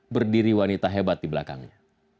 berdiri wanita hebat di belakangnya